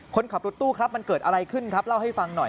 คนขับรถตู้ครับมันเกิดอะไรขึ้นครับเล่าให้ฟังหน่อย